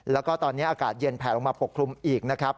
แล้วก็ตอนนี้อากาศเย็นแผลลงมาปกคลุมอีกนะครับ